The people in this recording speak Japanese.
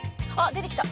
出てきた！